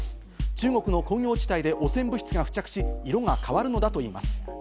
中国の工業地帯で汚染物質が付着し、色が変わるのだといいます。